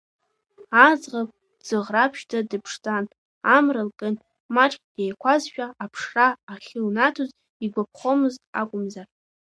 Аӡӷаб дӡыӷраԥшьӡа дыԥшӡан, амра лкын, маҷк деиқәазшәа аԥшра ахьылнаҭоз игәаԥхомызт акәымзар.